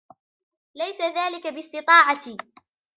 ليس ذلك باستطاعتي.